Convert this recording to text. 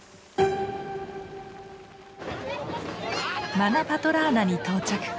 マナパトラーナに到着。